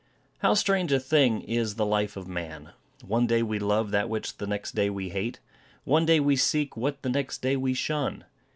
How strange a thing is the life of man! One day we love that which the next day we hate. One day we seek what the next day we shun.